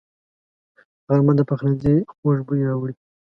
غرمه د پخلنځي خوږ بوی راوړي